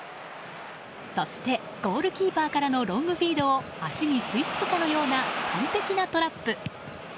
そしてゴールキーパーからのロングフィードを足に吸い付くかのような完璧なトラップ。